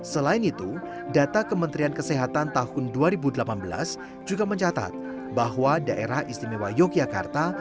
selain itu data kementerian kesehatan tahun dua ribu delapan belas juga mencatat bahwa daerah istimewa yogyakarta